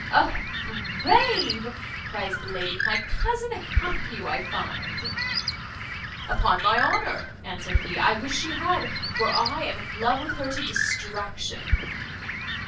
"O brave!" cries the lady, "my cousin hath you, I find." "Upon my honour," answered he, "I wish she had; for I am in love with her to distraction."